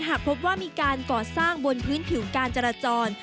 หากพบว่ามีการก่อสร้างบนพื้นผิวการจราจร